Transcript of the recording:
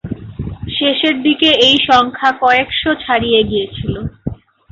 শেষের দিকে এই সংখ্যা কয়েকশো ছাড়িয়ে গিয়েছিল।